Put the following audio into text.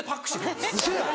ウソやん。